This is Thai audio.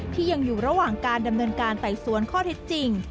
ที่ยังอยู่ระหว่างการดำเนินการไต่สวนข้อเท็จจริง